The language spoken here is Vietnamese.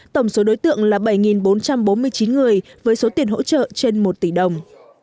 tổng số đối tượng là bảy bốn trăm bốn mươi chín người với số tiền hỗ trợ trên một tỷ đồng